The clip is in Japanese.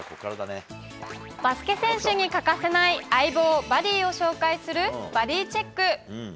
バスケ選手に欠かせない相棒・バディを紹介するバディチェック。